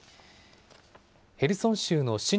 ヘルソン州の親